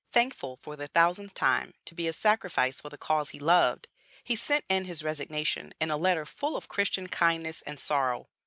Thankful, for the thousandth time, to be a sacrifice for the cause he loved, he sent in his resignation in a letter full of Christian kindness and sorrow.